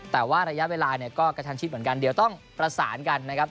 แต่ว่าระยะเวลาเนี่ยก็กระชันชิดเหมือนกันเดี๋ยวต้องประสานกันนะครับ